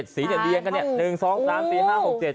สีเนี่ยเรียงกันเนี่ย๑๒๓๔๕๖๗